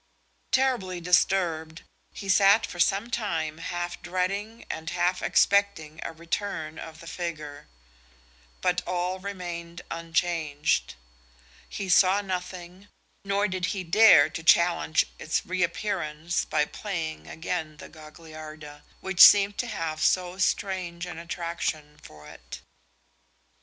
Terribly disturbed, he sat for some time half dreading and half expecting a return of the figure; but all remained unchanged: he saw nothing, nor did he dare to challenge its reappearance by playing again the Gagliarda, which seemed to have so strange an attraction for it.